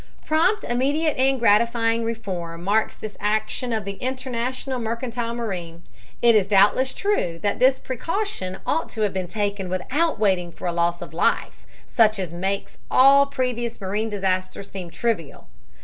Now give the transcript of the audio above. Prompt, immediate and gratifying reform marks this action of the International Mercantile Marine. It is doubtless true that this precaution ought to have been taken without waiting for a loss of life such as makes all previous marine disasters seem trivial.